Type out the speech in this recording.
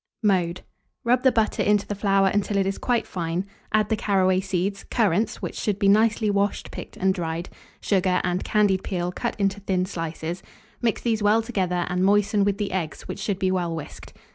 Mode. Rub the butter into the flour until it is quite fine; add the caraway seeds, currants (which should be nicely washed, picked, and dried), sugar, and candied peel cut into thin slices; mix these well together, and moisten with the eggs, which should be well whisked.